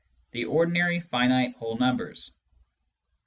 the ordinary finite whole numbers.